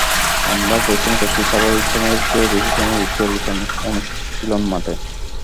আমরা পরিশ্রম করছি, স্বাভাবিক সময়ের চেয়েও বেশি সময় দিচ্ছি অনুশীলন মাঠে।